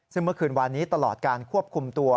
ซึ่งเมื่อคืนวานนี้ตลอดการควบคุมตัว